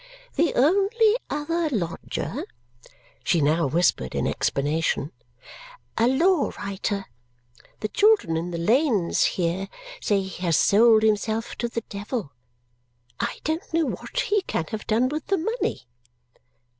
"The only other lodger," she now whispered in explanation, "a law writer. The children in the lanes here say he has sold himself to the devil. I don't know what he can have done with the money.